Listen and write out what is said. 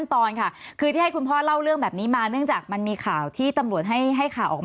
ก็ฝากที่ตรงร้านค้าครับ